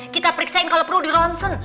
kita periksain kalau perlu di ronsen